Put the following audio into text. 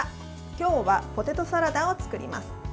今日はポテトサラダを作ります。